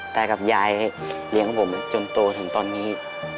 กับยายเลี้ยงผมจนโตถึงตอนนี้